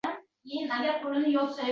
Nashriyotchi: Qaqnus Media